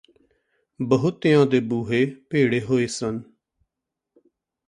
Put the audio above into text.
ਬਹੁਤਿਆਂ ਦੇ ਬੂਹੇ ਭੇੜੇ ਹੋਏ ਸਨ